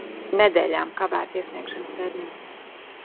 Nedēļām kavēti iesniegšanas termiņi.